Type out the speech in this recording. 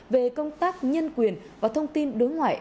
về công tác nhân quyền và thông tin đối ngoại